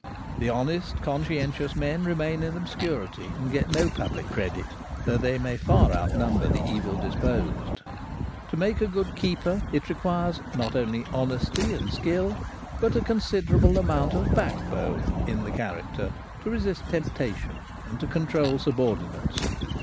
The honest conscientious men remain in obscurity and get no public credit, though they may far outnumber the evil disposed. To make a good keeper it requires not only honesty and skill, but a considerable amount of ' backbone ' in the character to resist temptation and to control subordinates.